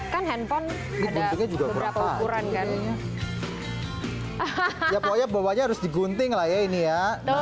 kan handphone ada beberapa ukuran kan ya pokoknya bawahnya harus digunting lah ya ini ya